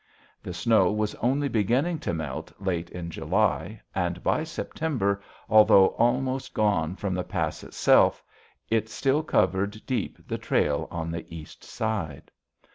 The snow was only beginning to melt late in July, and by September, although almost gone from the pass itself, it still covered deep the trail on the east side.